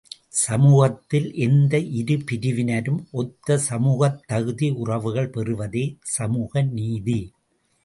சமூகத்தில் எந்த இரு பிரிவினரும் ஒத்த சமூகத் தகுதி உறவுகள் பெறுவதே சமூக நீதி.